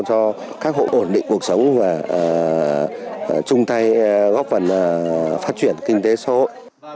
cho các hộ ổn định cuộc sống và chung tay góp phần phát triển kinh tế xã hội